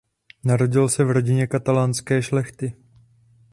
Narodil se v rodině katalánské šlechty.